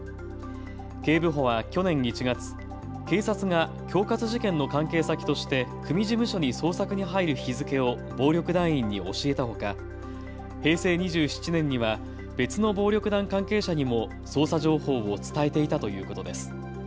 警部補は去年１月、警察が恐喝事件の関係先として組事務所に捜索に入る日付を暴力団員に教えたほか平成２７年には別の暴力団関係者にも捜査情報を伝えていたということです。